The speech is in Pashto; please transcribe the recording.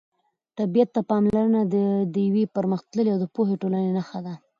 طبیعت ته پاملرنه د یوې پرمختللې او پوهې ټولنې نښه ده.